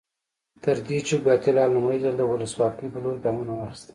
تر دې چې ګواتیلا لومړی ځل د ولسواکۍ په لور ګامونه واخیستل.